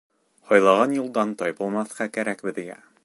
Һайлаған юлдан тайпылмаҫҡа кәрәк беҙгә.